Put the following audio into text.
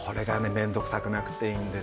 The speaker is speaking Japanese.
面倒くさくなくていいんですよ。